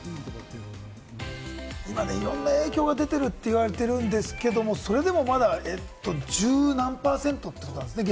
今いろんな影響が出ていると言われているんですけれども、それでもまだ、十何％ということなんですね。